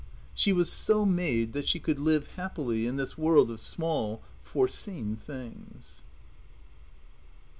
She was so made that she could live happily in this world of small, foreseen things.